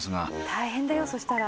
大変だよそしたら。